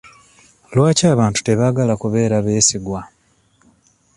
Lwaki abantu tebaagala kubeera beesigwa?